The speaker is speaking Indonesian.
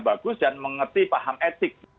bagus dan mengerti paham etik